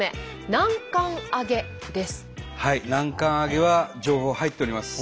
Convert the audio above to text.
南関あげは情報入っております。